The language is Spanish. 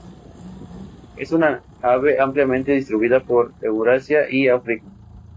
Es una ave ampliamente distribuida por Eurasia y África.